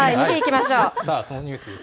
さあ、そのニュースです。